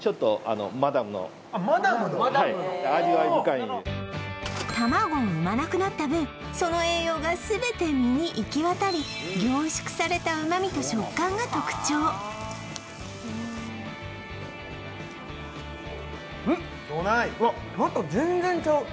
マダムの卵を産まなくなった分その栄養が全て身に行き渡り凝縮された旨みと食感が特徴うんっどない？